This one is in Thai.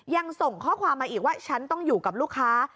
ยังส่งข้อความมาอีกว่าฉันต้องอยู่กับลูกค้า